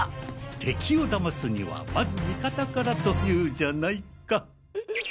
敵をだますにはまず味方からと言うじゃないか！